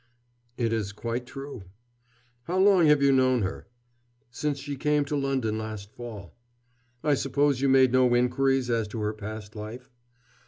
"It is quite true." "How long have you known her?" "Since she came to London last fall." "I suppose you made no inquiries as to her past life?"